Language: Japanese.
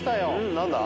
何だ？